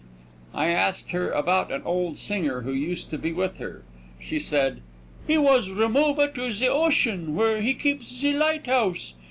I asked her about an old singer who used to be with her. She said: "He was remova to ze ocean, where he keepa ze lighthouse.